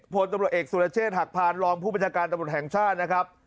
พลตำรวจเอกสุรเชษฐหักพานรองผู้บัญชาการตำรวจแห่งชาตินะครับ